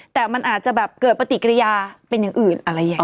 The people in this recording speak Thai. แต่มันอาจจะแบบเกิดปฏิกิริยาเป็นอย่างอื่นอะไรอย่างนี้